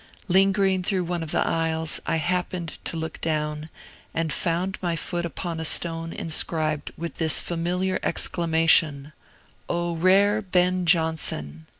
Lingering through one of the aisles, I happened to look down, and found my foot upon a stone inscribed with this familiar exclamation, "O rare Ben Jonson!"